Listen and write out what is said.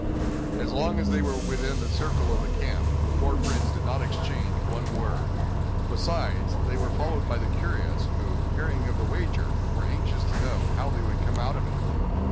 As long as they were within the circle of the camp, the four friends did not exchange one word; besides, they were followed by the curious, who, hearing of the wager, were anxious to know how they would come out of it.